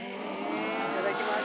いただきます。